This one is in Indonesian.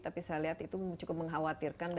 tapi saya lihat itu cukup mengkhawatirkan